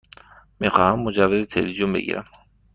می خواهم مجوز تلویزیون بگیرم.